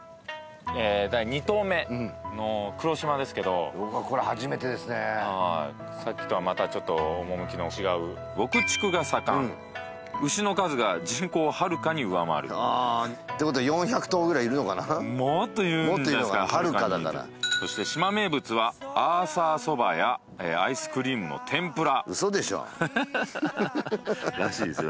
第２島目の黒島ですけどさっきとはまたちょっと趣の違う牧畜が盛ん牛の数が人口をはるかに上回るてことは４００頭ぐらいいるのかなもっといるんじゃないですかもっといるのかなはるかだからそして島名物はアーサそばやアイスクリームの天ぷららしいですよ